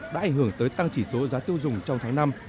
đã ảnh hưởng tới tăng chỉ số giá tiêu dùng trong tháng năm